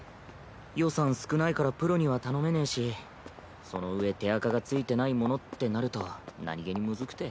予算少ないからプロには頼めねぇしそのうえ手あかが付いてないものってなると何気に難くて。